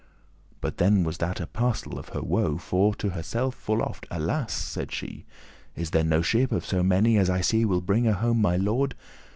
But then was that a parcel* of her woe, *part For to herself full oft, "Alas!" said she, Is there no ship, of so many as I see, Will bringe home my lord?